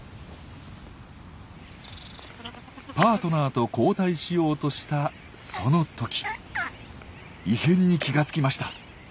パートナーと交代しようとしたその時異変に気が付きました。